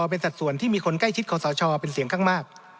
เป็นสัดส่วนที่มีคนใกล้ชิดขอสชเป็นเสียงข้างมาก